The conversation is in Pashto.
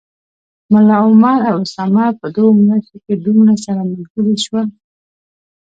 ملا عمر او اسامه په دوو میاشتو کي دومره سره ملګري شوي و